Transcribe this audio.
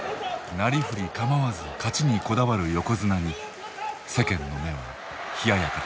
なりふり構わず勝ちにこだわる横綱に世間の目は冷ややかだった。